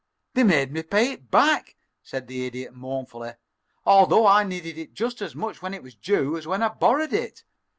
"They made me pay it back," said the Idiot, mournfully, "although I needed it just as much when it was due as when I borrowed it.